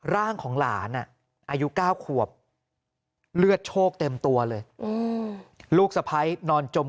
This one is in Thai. ร่างของหลานอายุ๙ขวบเลือดโชคเต็มตัวเลยลูกสะพ้ายนอนจม